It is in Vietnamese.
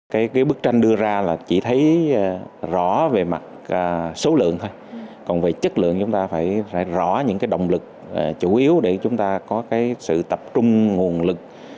các bức tranh đưa ra chỉ thấy rõ về mặt số lượng thôi còn về chất lượng chúng ta phải rõ những động lực chủ yếu để chúng ta có sự tập trung nguồn lực